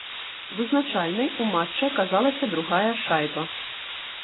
Вызначальнай у матчы аказалася другая шайба.